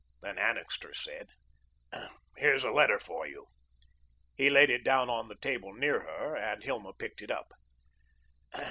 Then Annixter said: "Here's a letter for you." He laid it down on the table near her, and Hilma picked it up.